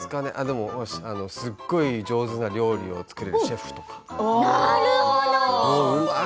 すごい上手な料理を作るシェフとか。